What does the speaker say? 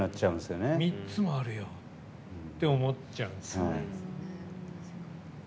３つもあるよって思っちゃう。